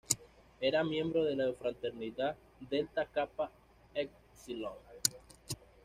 Era miembro de la fraternidad Delta Kappa Epsilon.